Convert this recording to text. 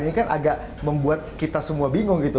ini kan agak membuat kita semua bingung gitu